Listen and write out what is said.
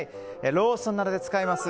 ローソンなどで使えます